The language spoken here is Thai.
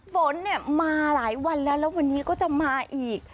ฝนเนี่ยมาหลายวันแล้วแล้ววันนี้ก็จะมาอีก